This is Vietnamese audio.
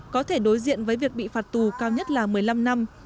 có thể đối diện với việc bị phạt tù cao nhất là một mươi năm năm